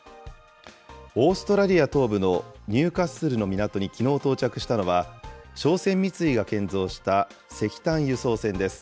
オーストラリア東部のニューカッスルの港にきのう到着したのは、商船三井が建造した石炭輸送船です。